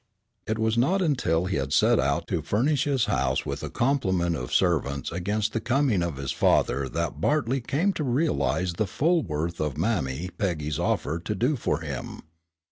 It was not until he had set out to furnish his house with a complement of servants against the coming of his father that Bartley came to realize the full worth of Mammy Peggy's offer to "do for him."